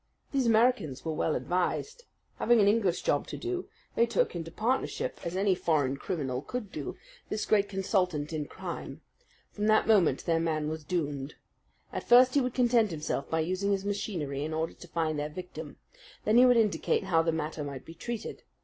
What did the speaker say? These Americans were well advised. Having an English job to do, they took into partnership, as any foreign criminal could do, this great consultant in crime. From that moment their man was doomed. At first he would content himself by using his machinery in order to find their victim. Then he would indicate how the matter might be treated.